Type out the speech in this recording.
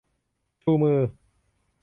ชูมือ